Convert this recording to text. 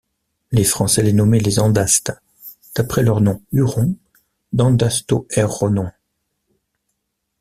Les Français les nommaient les Andastes, d'après leur nom huron d'Andastoerrhonons.